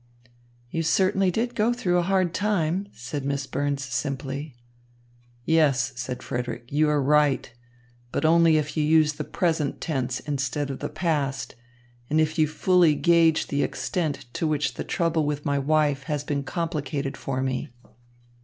"You certainly did go through a hard time," said Miss Burns simply. "Yes," said Frederick, "you are right, but only if you use the present tense instead of the past and if you fully gauge the extent to which the trouble with my wife has been complicated for me.